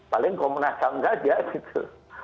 paling komnas ham saja gitu